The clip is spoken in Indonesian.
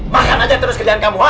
makan aja terus kerjaan kamu